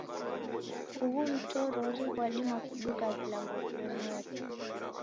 Ughu mtorori ghwadima kuduka vilambo vilemere.